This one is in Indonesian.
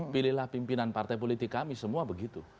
pilihlah pimpinan partai politik kami semua begitu